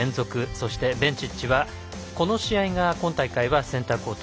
そしてベンチッチはこの試合が今大会はセンターコート